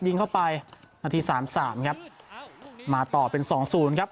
ยิงเข้าไปนาทีสามสามครับมาต่อเป็นสองศูนย์ครับ